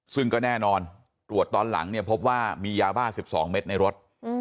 ซึ่งก็แน่นอนตรวจตอนหลังเนี่ยพบว่ามียาบ้า๑๒เมตรในรถ